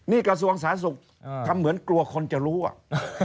นี่กระทรวงสาธารณสุขทำเหมือนกลัวคนจะรู้อ่ะ